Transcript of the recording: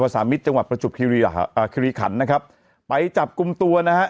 สรรพสามิทจังหวัดประชุบคิริขันนะครับไปจับกลุ่มตัวนะฮะ